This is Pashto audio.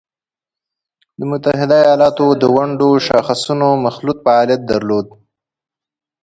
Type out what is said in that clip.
د متحده ایالاتو د ونډو شاخصونو مخلوط فعالیت درلود